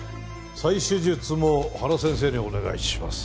再手術も原先生にお願いします。